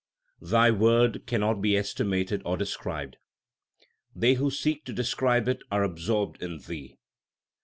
2 Thy worth cannot be estimated or described ; They who seek to describe it are absorbed in Thee.